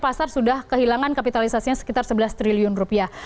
pasar sudah kehilangan kapitalisasinya sekitar sebelas triliun rupiah